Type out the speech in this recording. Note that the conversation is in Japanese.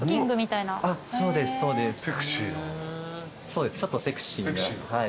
そうですちょっとセクシー。